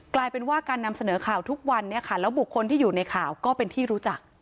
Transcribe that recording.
กลายเป็นว่าการนำเสนอข่าวทุกวันเนี่ยค่ะแล้วบุคคลที่อยู่ในข่าวก็เป็นที่รู้จัก